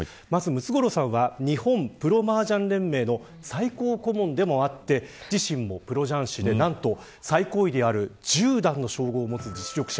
ムツゴロウさんは日本プロ麻雀連盟の最高顧問でもあって自身もプロ雀士で何と最高位の十段の称号を持つ実力者。